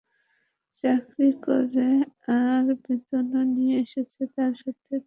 চাকরি করে আর বেতনও নিয়ে এসেছে তার সাথে তোমার মেয়ের বিয়ে দাও।